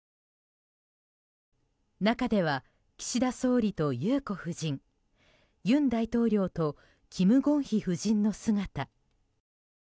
中では岸田総理と裕子夫人尹大統領とキム・ゴンヒ夫人の姿。